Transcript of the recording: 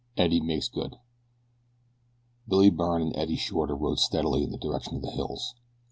EDDIE MAKES GOOD BILLY BYRNE and Eddie Shorter rode steadily in the direction of the hills.